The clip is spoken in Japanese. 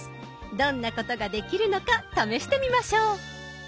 どんなことができるのか試してみましょう。